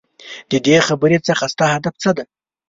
ددې خبرې څخه ستا هدف څه دی ؟؟